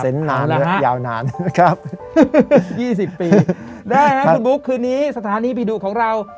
เซ็นต์น้ำนานยาวนานนะครับยี่สิบปีได้แล้วคุณพุกคืนนี้สถานีผีดุของเรา